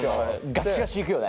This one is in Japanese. ガシガシいくよね。